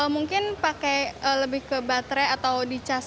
mungkin pakai lebih ke baterai atau di cas